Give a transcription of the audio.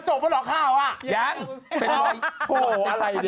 จบแล้วหรอข้าวอ่ะยังเป็นรอยโอ้โฮอะไรเนี่ย